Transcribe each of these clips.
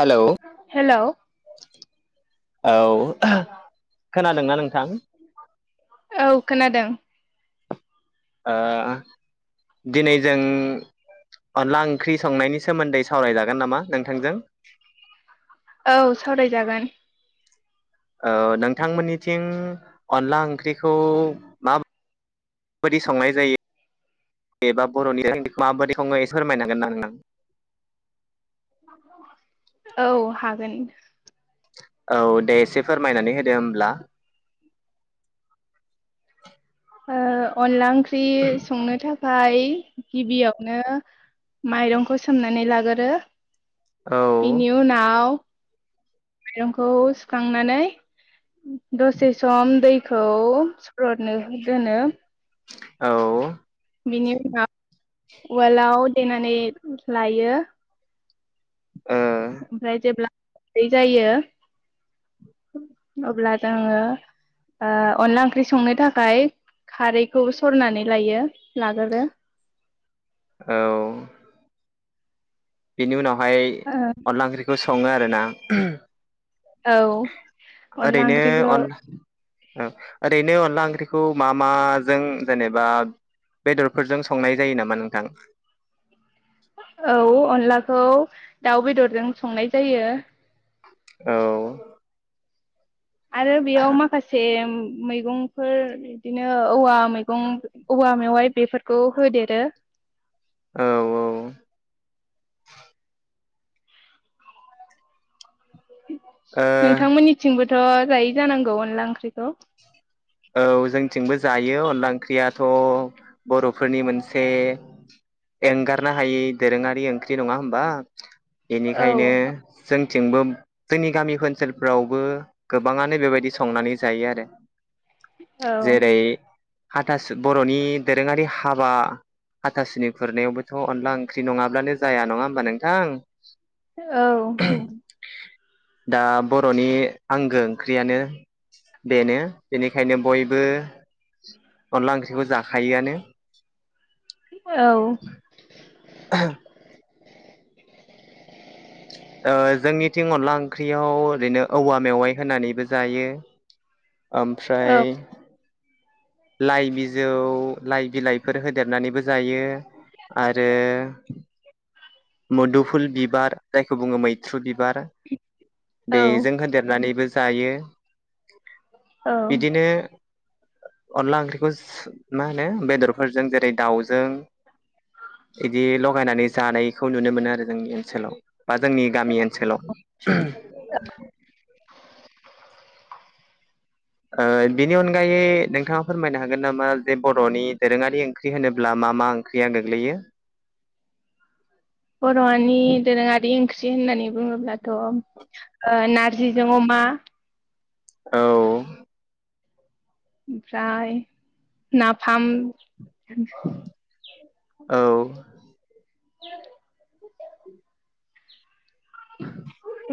Hello hello. औ, खोनादोंना नोंथां? औ खोनादों। ओ, दिनै जों अनला ओंख्रि संनायनि सोमोन्दै सावरायजागोन नामा नोंथांजों? औ सावरायजागोन। ओ नोंथांमोन्निथिं अनला ओंख्रिखौ मा बायदि संनाय जायो एबा बर'नि ओंख्रिखौ माबायदि सङो एसे फोरमायनो हागोन ना नोंथां? औ हागोन। औ दे एसे फोरमायनानै होदो होमब्ला। ओ अनला ओं ख्रि संनो थाखाय गिबियावनो माइरंखौ सोमनानै लागोरो औ बिनि उनाव माइरंखौ सुखांनानै दसे सम दैखौ सरदनो दोनो। औ। बिनि उनाव उवालआव देनानै लायो। ओमफ्राय जेब्ला दै जायो अब्ला जोङो ओ अनला ओंख्रि संनो थाखाय खारैखौ सरनानै लायो। लागोरो औ बिनि उनाव हाय ओ अनला ओंख्रिखौ स सङो आरो ना औ अनला ओंख्रिखौ ओ ओरैनो अनला ओंख्रिखौ मा माजों जेनेबा बेदरफोरजों संनाय जायो नामा नोंथां। औ अनलाखौ दाउ बेदरजों संनाय जायो। औ आरो बेयाव माखासे मैगंफोर बिदिनो औवा मैगं औवा मेवाइ बेफोरखौ होदेरो। औ औ ओ नोंथांमोननिथिंबो थ' जायै जानांगौ अनला ओंख्रिखौ। औ जोंथिंबो जायो अनला ओंख्रियाथ' बर'फोरनि मोनसे एंगारनो हायि दोरोङारि ओंख्रि नङा होमबा। औ बेनिखायनो जों थिंबो जोंनि गामि ओनसोलफ्रावबो गोबाङानो बेबायदि संनानै जायो आरो। औ जेरै हाथासु बर'नि दोरोङारि हाबा हाथासुनि खुरनायावबोथ' अनला ओंख्रि नङाब्लानो जाया नङा होमबा नोंथां। औ नों दा बर'नि आंगो ओंख्रियानो बेनो। बेनिखायनो बयबो अनला ओंख्रिखौ जा खायोआनो औ [unintelligible] [inaudible] ओ जोंनिथिं अनला ओंख्रियाव ओरैनो औवा मेवाइ होनानैबो जायो। ओमफ्राय लाइ बिजौ लाइ बिलाइफोर होदेरनानैबो जायो आरो मोदुफुल बिबार जायखौ बुङो मैथ्रु बिबार औ बेजों होनदेरनानैबो जायो। औ बिदिनो अनला ओंख्रिखौ मा होनो बेदरफोरजों जेरै दाउजों इदि लगायनानै जानाय खौ नुनो मोनो आरो जोंनि ओनसोलाव। बा जोंनि गामि ओनसोलाव। ओ बिनि अनगायै नोंथाङा फोरमायनो हागोन नामा जे बरनि दोरोङारि ओंख्रि होनोब्ला मा मा ओंख्रिया गोग्लैयो। बर नि दोरोङारि ओं ख्रि होननानै बुङोब्लाथ ओ नारजिजों अमा औ ओमफ्राय नाफाम [inaudible] औ [inaudible]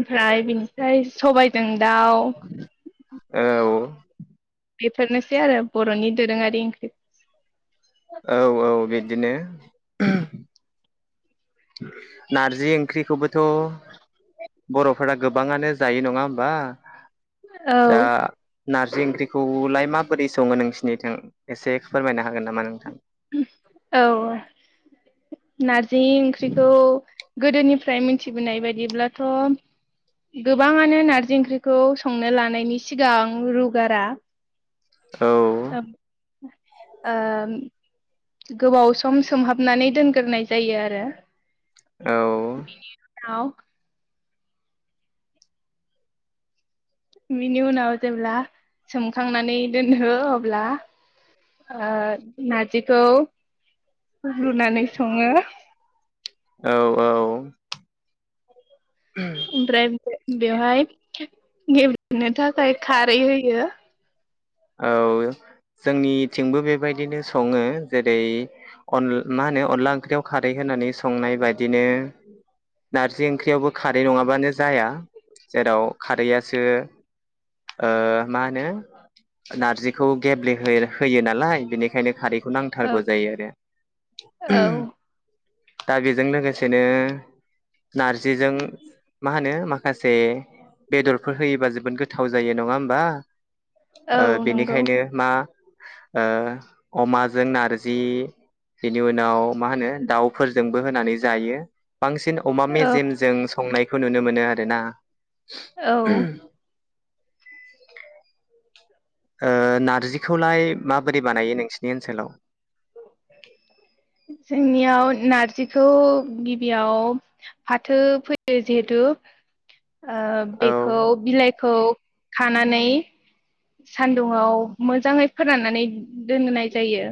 ओमफ्राय बिनिफ्राय सबायजों दाउ औ बेफोरनोसै आरो बर'नि दोरोङारि ओंख्रि औ औ बिदिनो ओम नारजि ओंख्रिखौबोथ' बर'फोरा गोबाङानो जायो नङा होमबा‌ औ नारजि ओंख्रिखौलाय माबोरै सङो नोंसिरनिथों एसे फोरमायनो हागोन नामा नोंथां? औ नारजि जि ओंख्रिखौ गोदोनिफ्राय मिथिबोनाय बायदिब्लाथ' गोबाङानो नारजि ओंख्रिखौ संनो लानायनि सिगां रुगारा औ ओ गोबाव सम सोमहाबनानै दोनग्रोनाय जायो आरो औ औ बिनि उनाव जेब्ला सोमखांनानै दोनो अब्ला‌ ओ नारजिखौ रुनानै सङो औ औ ओमफ्राय बेवहाय गेबलेनो थाखाय फ्राय खारै होयो औ जोंनिथिंबो बेबायदिनो सङो जेरै मा होनो अनला ओंख्रियाव खारै होनानै संनाय बायदिनो नारजि ओंख्रियावबो खारै नङाबानो जाया जेराव खारैआसो ओ मा होनो नारजिखौ गेब्ले होयो नालाय बेनिखायनो खारै बेखौ औ नांथारगौ जायो आरो औ दा बेजों लोगोसेनो नारजिजों मा होनो माख माखासे बेदरफोर होयोबा जोबोद गोथाव जायो नङा होमबा ओ औ नंगौ बेनिखायनो मा ओ अमाजों नारजि बेनि उनाव मा होनो दाउफोरजोंबो होनानै जायो बांसिन अमा औ मेजेमजों संनाय बेखौ नुनो मोनो आरोना औ [unintelligible] ओ नारजिखौलाय माबोरै बानायो नोंसिनि ओनसोलाव [inaudible] जोंनियाव नारजिखौ गिबियाव फाथो फैयो जिहेथु ओ औ बेखौ बिलाइखौ खानानै सान्दुंआव मोजाङै फोराननानै दोननाय जायो।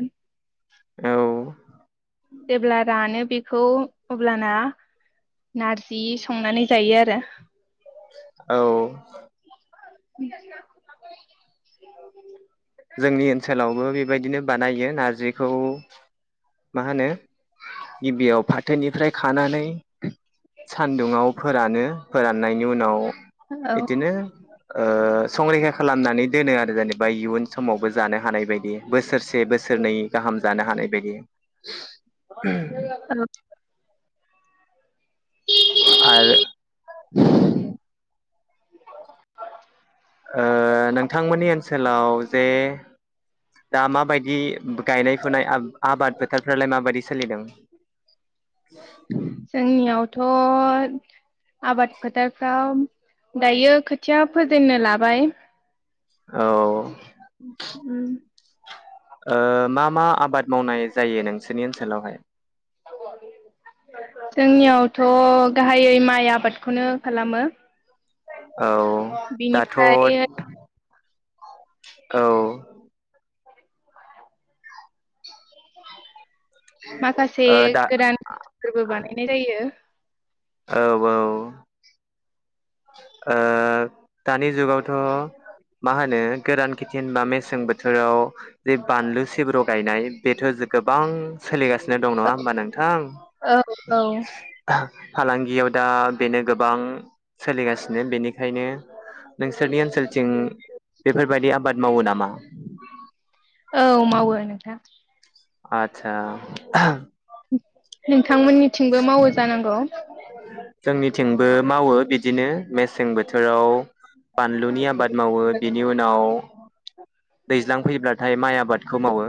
औ जेब्ला रानो बेखौ अब्लाना नारजि संनानै जायो आरो। औ। [unintelligible] जोंनि ओनसोलावबो बेबायदिनो बानायो नारजिखौ मा होनो गिबियाव फाथोनिफ्राय खानानै सानदुंङाव फोरानो फोराननायनि उनाव औ बिदिनो ओ संरैखा खालामनानै दोनो आरो जेनेबा इयुन समावबो जानो हानाय बायदि बोसोरसे से बोसोरनै गाहाम जानो हानाय बायदि [unintelligible] आरो ओ नोंथांमोननि ओनसोलाव जे दा माबायदि गायनाय फुनाय आ-आबाद फोथारफ्रालाय माबायदि सोलिदों? थ' आबाद फोथारफ्राव दायो खोथिया फोजेननो लाबाय। औ। उम ओ मा मा आबाद मावनाय जायो नोंसोरनि ओनसोलावहाय? जोंनियावथ' गाहायै माइ आबादखौनो खालामो। औ दाथ' बिनिफ्राय औ। माखासे दा गोदानफोरबो बानायनाय जायो। औ औ। ओ दानि जुगावथ' मा होनो गोदान खिथिन बा मेसें बोथोराव जे बानलु सिब्र' गायनाय बेथ' गोबां सोलिगासिनो दं नङा होमबा नोंथां? औ औ फालांगियाव दा बेनो गोबां सोलिगासिनो बेनिखायनो नोंसोरनि ओनसोलथिं बेफोरबायदि आबाद मावो नामा? औ मावो नोंथाङां। आसा [inaudible] नोंथांमोननिथिंबो मावो जानांगौ जोंनिथिंबो मावो बिदि बिदिनो मेसें बोथोराव बानलुनि आबाद मावो बिनि उनाव दैज्लां फैयोब्लाथाय माइ आबाद खौ मावो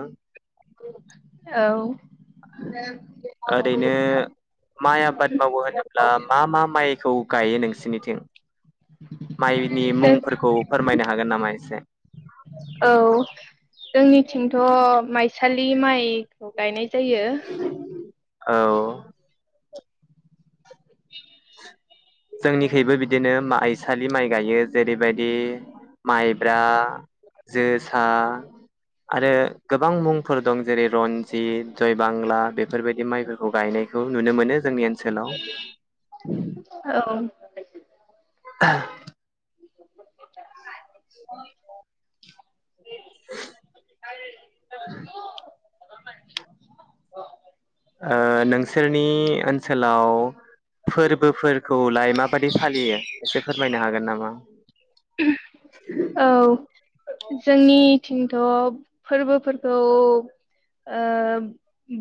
औ [inaudible] ओरैनो माइ आबाद मावो होनोब्ला मा मा माइखौ गायो नोंसिरनिथिं माइनि जों मुंफोरखौ फोरमायनो हागोन नामा एसे औ जोंनिथिंथ' माइसालि माइ गायनाय जायो औ [inaudible] जोंनिखैबो बिदिनो आइसालि माइ गायो जेरैबायदि माइब्रा जोसा आरो गोबां मुंफोर दं जेरै रनजित जय बांला बेफोरबायदि माइफोरखौ गायनायखौ नुनो मोनो जोंनि ओनसोलाव [inaudible] [inaudible] [inaudible] ओ नोंसोरनि ओनसोलाव फोरबोफोरखौलाय माबायि फालियो एसे फोरमायनो हागोन नामा? औ जोंनि थिंथ' फोरबोफोरखौ ओ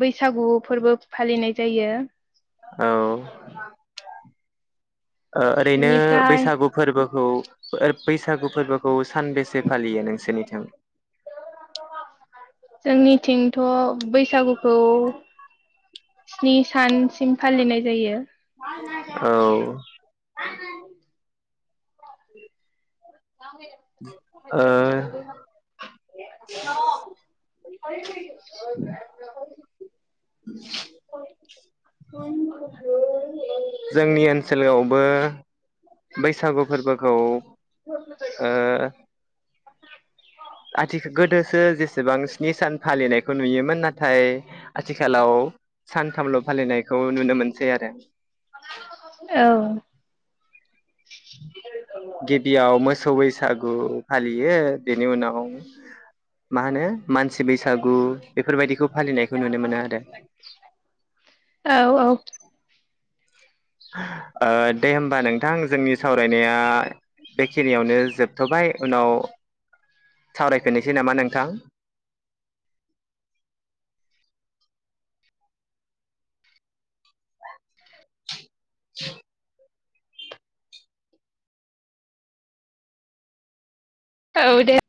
बैसागु फोरबो फालिनाय जायो औ ओ ओरैनो बेनिफ्राय बैसागु फोरबो औ बैसागु फोरबोखौ सानबेसे फालियो नोंसोरनिथिं? [inaudible] जोंनिथिंथ' बैसागुखौ स्नि सानसिम फालिनाय जायो औ [inaudible] ओ [unintelligible] [inaudible] जोंनि ओनसोलावबो बैसागु फोरबोखौ ओ आथिखाल गोदोसो जेसेबां स्नि सान फालिनायखौ नुयोमोन नाथाय आथिखालाव सान थामल' फालिनायखौ नुनो मोनसै आरो [unintelligible] औ गिबियाव मोसौ बैसाग गु फालियो बेनि उनाव मा होनो मानसि बैसागु बेफोरबायदिखौ फालिनायखौ नुनो मोनो आरो । औ औ ओ दे होमबा नोंथां जोंनि सावरायनाया बेखिनियावनो जोबथ'बाय उनाव सावरायफिनोसै नामा नोंथां? [inaudible] औ दे ।